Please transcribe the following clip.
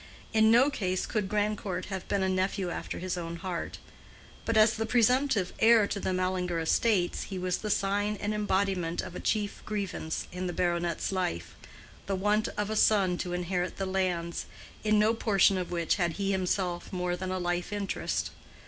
In no case could Grandcourt have been a nephew after his own heart; but as the presumptive heir to the Mallinger estates he was the sign and embodiment of a chief grievance in the baronet's life—the want of a son to inherit the lands, in no portion of which had he himself more than a life interest.